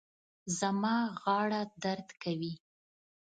زما غاړه درد کوي